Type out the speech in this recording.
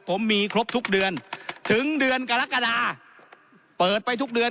ผมมีครบทุกเดือนถึงเดือนกรกฎาเปิดไปทุกเดือน